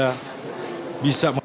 bisa memperlukan richard eliezer